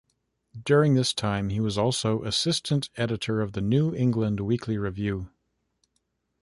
During this time he was also assistant editor of the "New England Weekly Review".